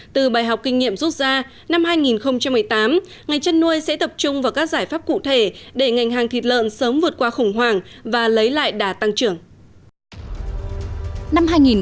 từ bài học kinh nghiệm rút ra năm hai nghìn một mươi tám ngành chăn nuôi sẽ tập trung vào các giải pháp cụ thể để ngành hàng thịt lợn sớm vượt qua khủng hoảng và lấy lại đà tăng trưởng